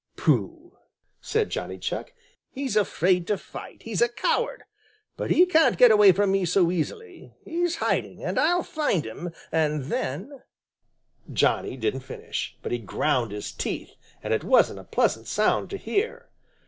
"Pooh!" said Johnny Chuck, "He's afraid to fight! He's a coward. But he can't get away from me so easily. He's hiding, and I'll find him and then " Johnny didn't finish, but he ground his teeth, and it wasn't a pleasant sound to hear.